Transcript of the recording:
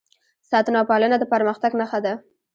ساتنه او پالنه د پرمختګ نښه ده.